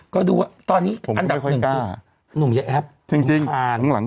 ก็ดูว่าตอนนี้อันดับ๑คือหนุ่มเยอะครับผมทาน